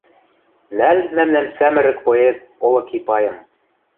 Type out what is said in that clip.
Нӓл мӓмнӓн сӓмӹрӹк поэт Олык Ипайым.